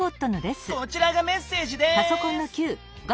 こちらがメッセージです！